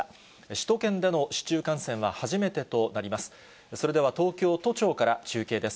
首都圏での市中感染は初めてとなります。